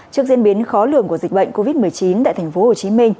trước diễn biến khó lường của dịch bệnh covid một mươi chín tại tp hcm